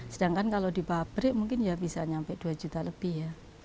sedangkan kalau di pabrik mungkin bisa sampai dua juta lebih